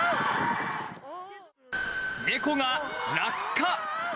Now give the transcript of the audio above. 猫が落下。